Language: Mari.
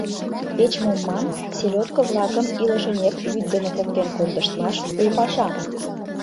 Кеч-мом ман, селёдко-влакым илышынек вӱд дене поктен кондыштмаш — у паша.